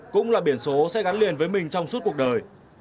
cũng là biển số sẽ gắn liền với mình trong suốt cuộc đời